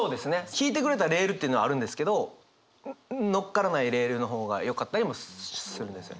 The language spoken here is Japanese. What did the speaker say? ひいてくれたレールっていうのはあるんですけど乗っからないレールの方がよかったりもするんですよね。